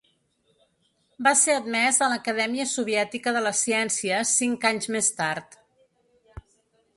Va ser admès a l'Acadèmia Soviètica de les Ciències cinc anys més tard.